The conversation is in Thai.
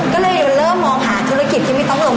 ก็เลยเริ่มมองหาธุรกิจที่ไม่ต้องลง